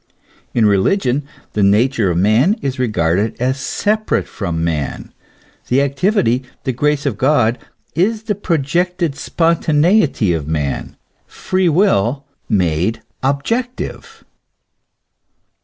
In religion the nature of man is regarded as separate from man. The activity, the grace of God is the projected spontaneity of man, Free Will made objective.!